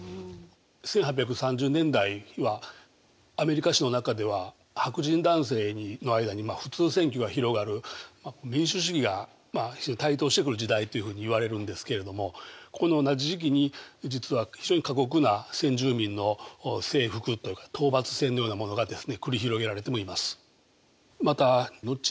１８３０年代はアメリカ史の中では白人男性の間に普通選挙が広がる民主主義がまあ台頭してくる時代というふうにいわれるんですけれどもここの同じ時期に実は非常に過酷な先住民の征服というか討伐戦のようなものがですね繰り広げられてもいます。